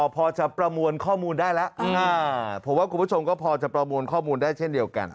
พอจะประมวลข้อมูลได้แล้วผมว่าคุณผู้ชมก็พอจะประมวลข้อมูลได้เช่นเดียวกัน